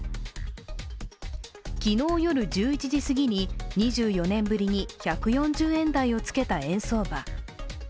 昨日夜１１時過ぎに２４年ぶりに１４０円台をつけた円相場。